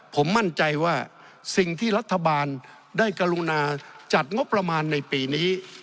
ผมมั่นใจว่าสิ่งที่รัฐบาลได้กรุณาจัดงบประมาณในปีนี้